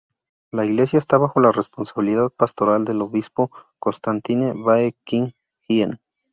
La iglesia esta bajo la responsabilidad pastoral del obispo Constantine Bae Ki-hyen.